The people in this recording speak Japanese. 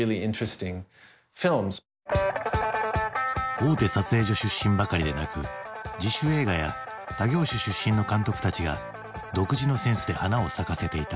大手撮影所出身ばかりでなく自主映画や他業種出身の監督たちが独自のセンスで花を咲かせていた。